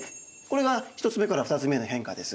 これが１つ目から２つ目への変化です。